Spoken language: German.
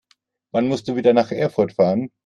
Wann musst du wieder nach Erfurt fahren?